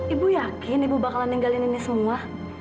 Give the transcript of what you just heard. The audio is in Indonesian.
ibu yakin ibu bakal meninggalin ini semua